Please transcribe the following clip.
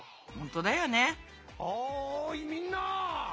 おいみんな！